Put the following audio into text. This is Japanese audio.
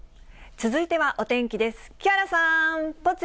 続いてはお天気です。